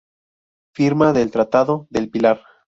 Firma del Tratado del Pilar.